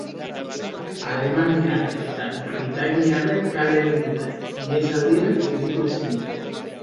Alemaniarrek eta britainiarrek kale egin dute, ihesaldia gelditu ezinik.